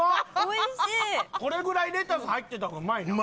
これぐらいレタス入ってた方がうまいな。